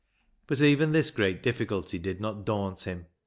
But even this great difficulty did not daunt him.